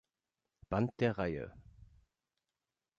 Band der Reihe.